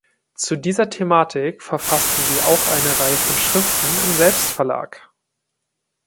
Zu dieser Thematik verfasste sie auch eine Reihe von Schriften im Selbstverlag.